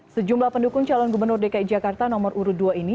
sejumlah pendukung calon gubernur dki jakarta nomor urut dua ini